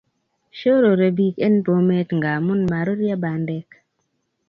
shorore pik en Bomet ngamun maruryo bandek